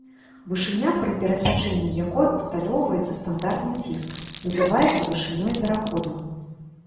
Вышыня, пры перасячэнні якой усталёўваецца стандартны ціск, называецца вышынёй пераходу.